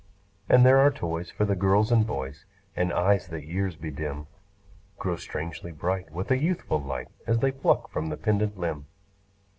And there are toys for the girls and boys; And eyes that years bedim Grow strangely bright, with a youthful light, As they pluck from the pendant limb.